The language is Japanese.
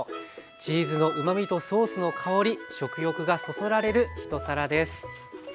チーズのうまみとソースの香り食欲がそそられる一皿です。